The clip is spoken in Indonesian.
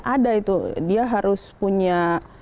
ada itu dia harus punya